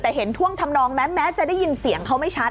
แต่เห็นท่วงทำนองแม้จะได้ยินเสียงเขาไม่ชัด